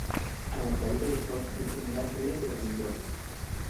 A la caída del sol, el general Trías se rindió.